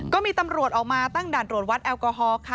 ก็มีตำรวจออกมาตั้งด่านตรวจวัดแอลกอฮอล์ค่ะ